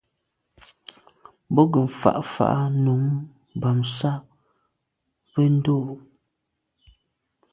Be ke mfà’ fà’ à num bam s’a be ndô.